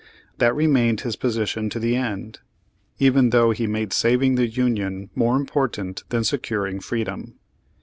That remained his position to the end, even though he made saving the Union more important than securing freedom.